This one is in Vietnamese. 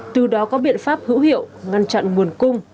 từ đó có biện pháp hữu hiệu ngăn chặn nguồn cung